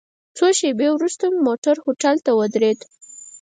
څو شېبې وروسته مو موټر هوټل ته ودرید.